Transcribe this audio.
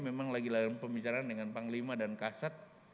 memang lagi layan pembicaraan dengan panglima dan kasat